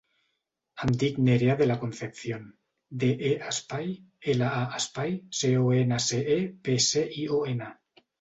Em dic Nerea De La Concepcion: de, e, espai, ela, a, espai, ce, o, ena, ce, e, pe, ce, i, o, ena.